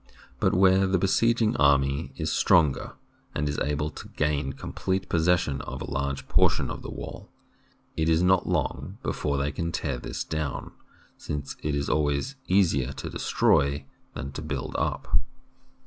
But where the besieging army is the stronger and is able to gain complete posses sion of a large portion of the wall, it is not long before they can tear this down, since it is always easier to destroy than to build up.